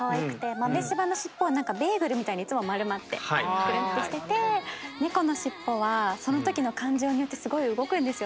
豆柴のしっぽはベーグルみたいにいつも丸まってくるんとしてて猫のしっぽはその時の感情によってすごい動くんですよ。